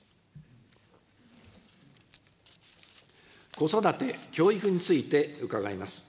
子育て、教育について伺います。